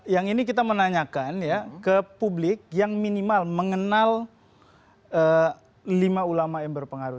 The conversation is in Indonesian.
yang ini kita menanyakan ya ke publik yang minimal mengenal lima ulama yang berpengaruh